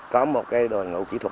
có một cái đội ngũ kỹ thuật